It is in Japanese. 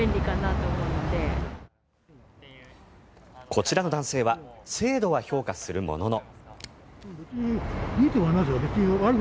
こちらの男性は制度は評価するものの。